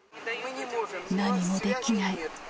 何もできない。